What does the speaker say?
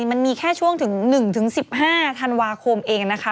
มันมีแค่ช่วงถึง๑๑๕ธันวาคมเองนะคะ